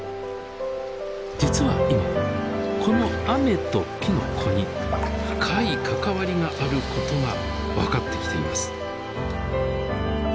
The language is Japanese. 実は今この雨ときのこに深い関わりがあることが分かってきています。